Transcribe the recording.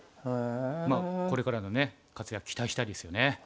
まあこれからのね活躍期待したいですよね。